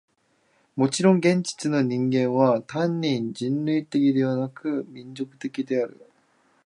もちろん現実の人間は単に人類的でなく、民族的である。